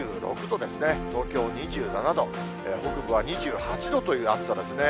東京２７度、北部は２８度という暑さですね。